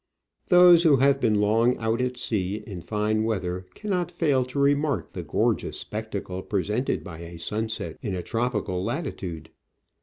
Those who have been long out at sea in fine weather can not fail to remark the gorgeous spectacle presented by a sunset in a tropical latitude.